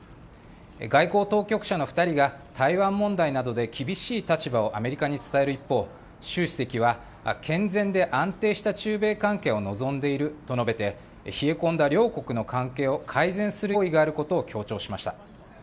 外交当局者の２人が、台湾問題などで厳しい立場をアメリカに伝える一方、習主席は、健全で安定した中米関係を望んでいると述べて、冷え込んだ両国の関係を改善する用意があることを強調しました。